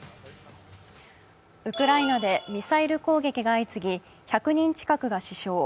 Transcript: ウクライナでミサイル攻撃が相次ぎ、１００人近くが死傷。